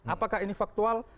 apakah ini faktual